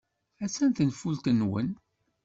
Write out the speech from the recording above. Attan tenfult-nwen.